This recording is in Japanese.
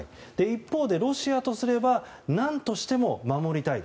一方でロシアとすれば何としても守りたい。